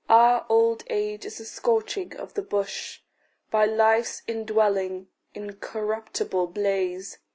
Our old age is the scorching of the bush By life's indwelling, incorruptible blaze.